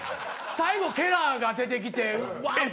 最後ケラーが出てきてバーン！